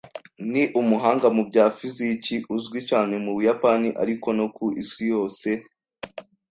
Ni umuhanga mu bya fiziki uzwi cyane mu Buyapani, ariko no ku isi yose.